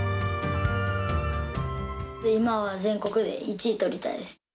今は全国で１位とりたいです。